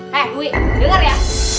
hei dwi denger ya